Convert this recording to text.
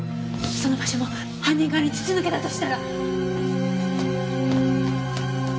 その場所も犯人側に筒抜けだとしたら！